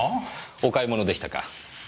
お買い物でしたか？